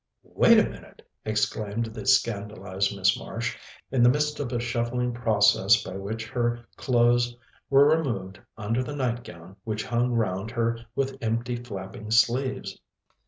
"Wait a minute!" exclaimed the scandalized Miss Marsh, in the midst of a shuffling process by which her clothes were removed under the nightgown which hung round her with empty flapping sleeves.